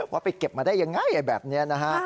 ว่าไปเก็บมาได้อย่างง่ายแบบนี้นะฮะ